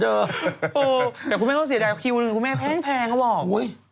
เดี๋ยวคุณแม่ต้องเสียดายกับคิวหนึ่งคุณแม่แพงเขาบอก